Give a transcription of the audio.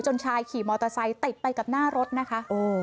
ชายขี่มอเตอร์ไซค์ติดไปกับหน้ารถนะคะ